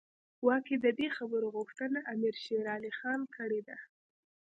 ګواکې د دې خبرو غوښتنه امیر شېر علي خان کړې ده.